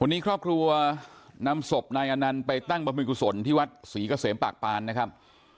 วันนี้ครอบครัวนำศพนายอนันต์ไปตั้งบรรพิกุศลที่วัดศรีเกษมปากปานนะครับ